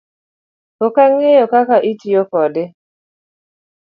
Ok ang'eyo kaka itiyo kode